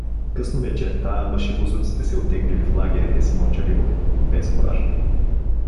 Късно вечерта башибозуците се оттеглили в лагерите си мълчаливо, без кураж.